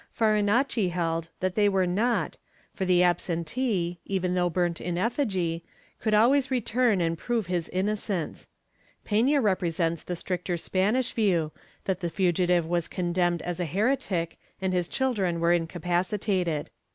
Farinacci held that they were not, for the absentee, even though burnt in effigy, could always return and prove his innocence. Pena represents the stricter Spanish view, that the fugitive was condemned as a heretic and his children were incapacitated.